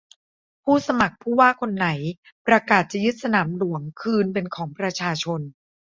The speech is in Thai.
ผู้สมัครผู้ว่าคนไหนประกาศจะยึดสนามหลวงคืนเป็นของประชาชน